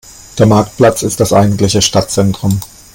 Der Marktplatz ist das eigentliche Stadtzentrum.